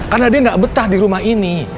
karena dia gak betah di rumah ini